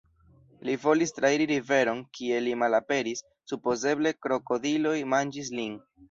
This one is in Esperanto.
Li volis trairi riveron, kie li malaperis, supozeble krokodiloj manĝis lin.